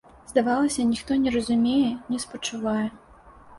Здавалася, ніхто не разумее, не спачувае.